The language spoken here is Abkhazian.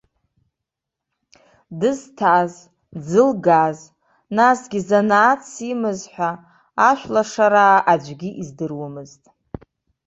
Дызҭаз, дзылгаз, насгьы занааҭс имаз ҳәа ашәлашараа аӡәгьы издыруамызт.